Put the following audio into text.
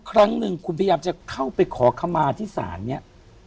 ครั้งหนึ่งคุณพยายามจะเข้าไปขอขมาที่ศาลเนี่ย